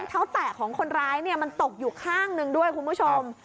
เท้าแตะของคนร้ายมันตกอยู่ข้างหนึ่งด้วยคุณผู้ชม